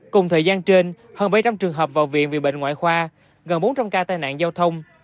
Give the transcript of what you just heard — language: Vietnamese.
cùng thời gian trên hơn bảy trăm linh trường hợp vào viện vì bệnh ngoại khoa gần bốn trăm linh ca tai nạn giao thông